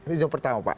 itu yang pertama pak